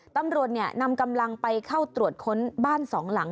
ตำรวจนำกำลังไปเข้าตรวจค้นบ้านสองหลัง